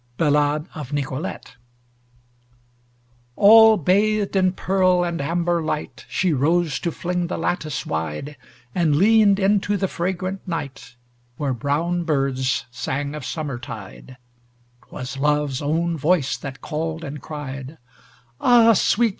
BALLADE OF NICOLETE All bathed in pearl and amber light She rose to fling the lattice wide, And leaned into the fragrant night, Where brown birds sang of summertide; ('Twas Love's own voice that called and cried) "Ah, Sweet!"